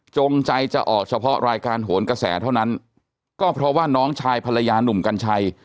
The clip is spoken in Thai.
ใจจะออกเฉพาะรายการโหนกระแสเท่านั้นก็เพราะว่าน้องชายภรรยานุ่มกัญชัย